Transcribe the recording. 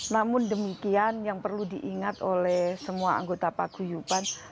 namun demikian yang perlu diingat oleh semua anggota paguyupan